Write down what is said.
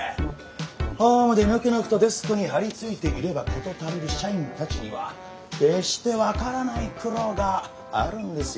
ホームでぬくぬくとデスクに張り付いていれば事足りる社員たちには決して分からない苦労があるんですよ。